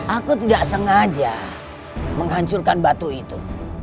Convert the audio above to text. aku tidak sengaja menghancurkan batu itu